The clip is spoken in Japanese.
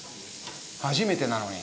初めてなのに。